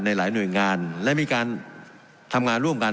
ในหลายโนยงานและมีการทำงานร่วมกันภาคทที่งานและทำงานร่วมกัน